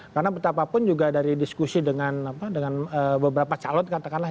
karena betapapun juga dari diskusi dengan beberapa calon katakanlah